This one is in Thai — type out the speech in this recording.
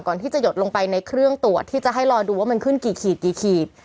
ก่อนที่จะหยดลงไปในเครื่องตรวจที่จะให้รอดูว่ามันขึ้นกี่ขีดกี่ขีด